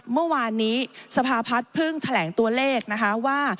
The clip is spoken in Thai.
เมื่อวานนี้สภาพัฒน์เพิ่งแถลงตัวเลขนะคะว่า